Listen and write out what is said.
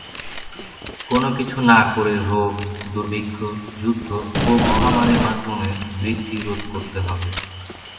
কোনো কিছু না করে রোগ, দুর্ভিক্ষ, যুদ্ধ ও মহামারীর মাধ্যমে বৃদ্ধি রোধ করতে হবে।